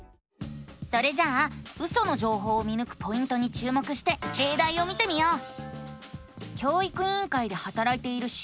それじゃあウソの情報を見ぬくポイントに注目してれいだいを見てみよう！